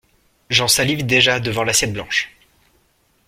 J’en salive déjà, devant l’assiette blanche.